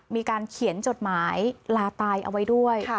มีการเขียนจดหมายลาตายเอาไว้ด้วย